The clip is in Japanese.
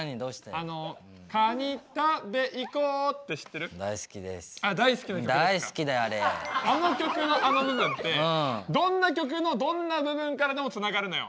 あの曲のあの部分ってどんな曲のどんな部分からでもつながるのよ。